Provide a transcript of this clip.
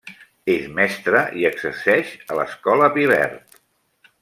És mestre i exerceix a l'escola Pi Verd.